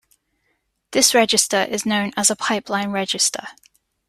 This register is known as a pipeline register.